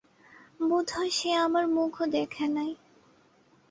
বোধ হয় সে আমার মুখও দেখে নাই।